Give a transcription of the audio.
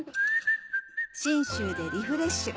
信州でリフレッシュ！